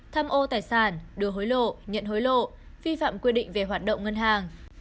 tham ô tài sản đưa hối lộ nhận hối lộ vi phạm quy định về hoạt động ngân hàng